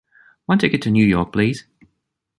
One ticket to New York, please.